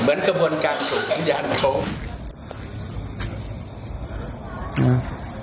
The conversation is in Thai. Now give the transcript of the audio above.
เหมือนกระบวนการส่งสัญญาณเขา